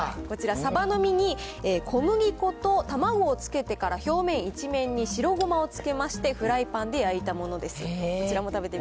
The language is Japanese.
こちら、サバの身に小麦粉と卵をつけてから、表面一面に白ごまをつけまして、フライパンで焼いたものです。